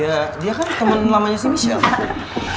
ya dia kan temen lamanya si michelle